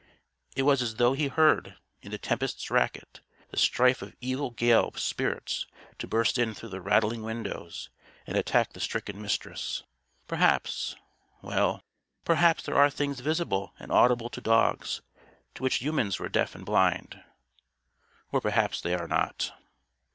It was as though he heard, in the tempest's racket, the strife of evil gale spirits to burst in through the rattling windows and attack the stricken Mistress. Perhaps well, perhaps there are things visible and audible to dogs; to which humans were deaf and blind. Or perhaps they are not.